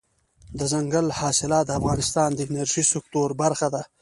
دځنګل حاصلات د افغانستان د انرژۍ سکتور برخه ده.